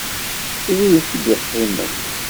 Drus i d-iqqimen.